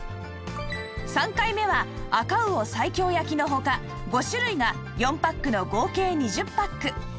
３回目は赤魚西京焼のほか５種類が４パックの合計２０パック